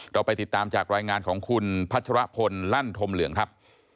เราไปติดตามจากรายงานของคุณพัชรพลลั่นธมเหลืองครับ